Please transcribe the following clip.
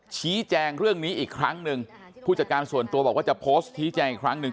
ชี้แจงเรื่องนี้อีกครั้งหนึ่งผู้จัดการส่วนตัวบอกว่าจะโพสต์ชี้แจงอีกครั้งหนึ่ง